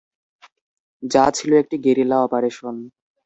যা ছিলো একটি গেরিলা অপারেশন।